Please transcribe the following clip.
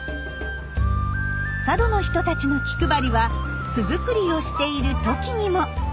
佐渡の人たちの気配りは巣作りをしているトキにも。